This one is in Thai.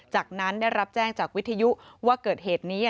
จากนั้นได้รับแจ้งจากวิทยุว่าเกิดเหตุนี้